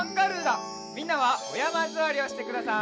みんなはおやまずわりをしてください。